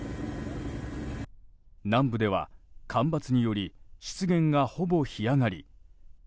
南部では干ばつにより湿原が、ほぼ干上がり。